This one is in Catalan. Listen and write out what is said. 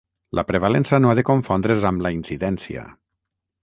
La prevalença no ha de confondre's amb la incidència.